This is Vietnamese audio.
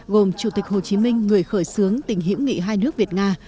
gồm chủ tịch hồ chí minh người khởi xướng tình hiểu nghị hai nước việt nga